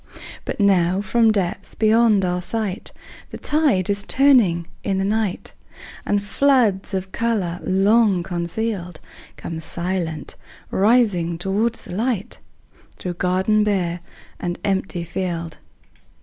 But now from depths beyond our sight, The tide is turning in the night, And floods of color long concealed Come silent rising toward the light, Through garden bare and empty field.